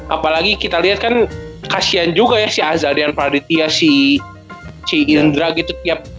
apalagi kita liat kan kasihan juga ya si azadian praditya si indra gitu